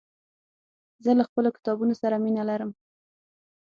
زه له خپلو کتابونو سره مينه لرم.